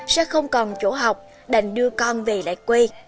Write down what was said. sẽ không còn chỗ học đành đưa con về lại quê